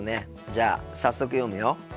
じゃあ早速読むよ。